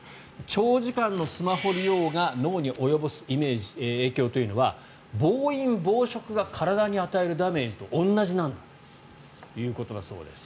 長時間のスマホ利用が脳に及ぼす影響というのは暴飲暴食が体に与えるダメージと同じなんだということだそうです。